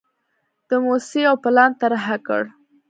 د موسسې یو پلان طرحه کړ.